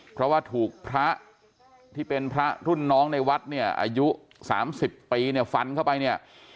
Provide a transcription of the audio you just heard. เพราะว่าถูกพระที่เป็นพระรุ่นน้องในวัดเนี่ยอายุ๓๐ปีเนี่ยฟันเข้าไปเนี่ย